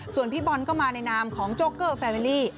ส่วนพี่บอลก็มาในนามของโจ๊เกอร์แฟมิลลี่